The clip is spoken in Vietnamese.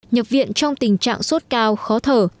nhập viện trong tình trạng sốt cao khó thở